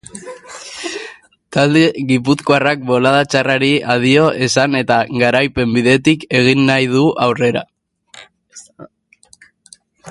Talde gipuzkoarrak bolada txarrari adio esan eta garaipen bidetik egin nahi du aurrera.